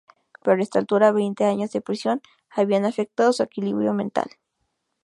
Pero a esta altura veinte años de prisión habían afectado su equilibrio mental.